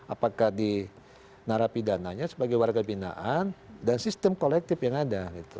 apakah di narapi dananya sebagai warga pindaan dan sistem kolektif yang ada